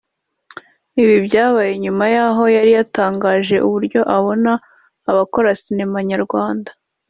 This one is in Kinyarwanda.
Ibi byabaye nyuma yaho yari yatangaje uburyo abona abakora Sinema nyarwanda